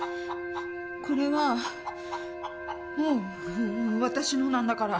これはもう私のなんだから。